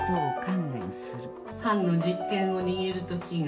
藩の実権を握る時が」。